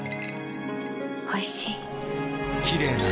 おいしい。